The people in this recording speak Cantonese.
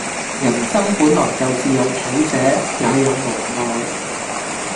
人生本來就是有取捨、也有無奈